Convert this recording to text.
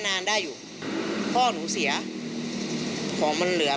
ถ้าเขาถูกจับคุณอย่าลืม